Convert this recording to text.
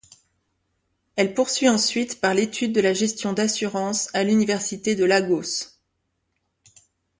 Elle poursuit ensuite par l'étude de la gestion d'assurance à l'Université de Lagos.